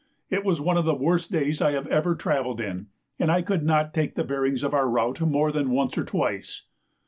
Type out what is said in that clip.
It was one of the worst days I had ever travelled in, and I could not take the bearings of our route more than once or twice.